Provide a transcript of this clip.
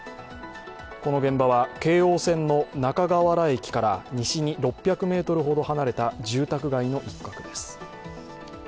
この現場は京王線の中河原駅から西に６００ｍほど離れた住宅街の一角です。